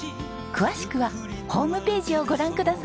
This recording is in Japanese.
詳しくはホームページをご覧ください。